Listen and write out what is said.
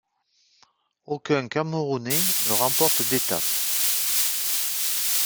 Aucun camerounais ne remporte d'étape.